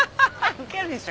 ウケるでしょ。